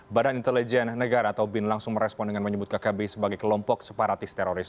badan intelijen negara atau bin langsung merespon dengan menyebut kkb sebagai kelompok separatis teroris